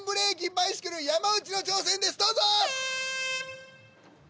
バイシクル山内の挑戦ですどうぞ！